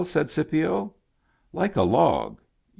said Scipio. "Like a log.